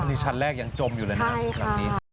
อันนี้ชั้นแรกยังจมอยู่เลยนะทางนี้